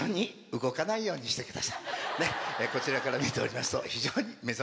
こちらから見ておりますと。